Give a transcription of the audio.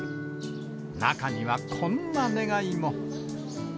中にはこんな願いも。